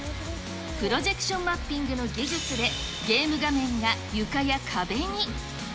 プロジェクションマッピングの技術で、ゲーム画面が床や壁に。